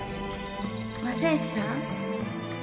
正義さん？